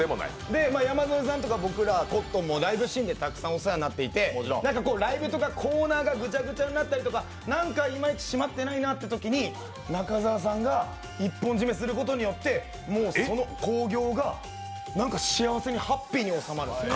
山添さんとか僕らコットンもライブシーンでたくさんお世話になっていて、ライブなんかでコーナーがぐちゃぐちゃになったりとかなんかいまいち締まってないなってときに中澤さんが一本締めすることによって、その興行が幸せに、ハッピーに収まるんですよ